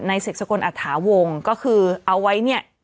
ศึกสกลอัฐาวงก็คือเอาไว้เนี่ย